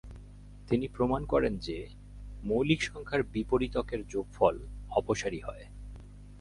তিনি প্রমাণ করেন যে, মৌলিক সংখ্যার বিপরীতকের যোগফল অপসারী হয়।